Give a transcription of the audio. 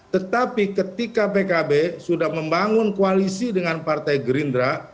tetapi ketika pkb sudah membangun koalisi dengan partai gerindra